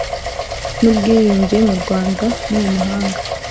n ubwiyunge mu Rwanda no mu mahanga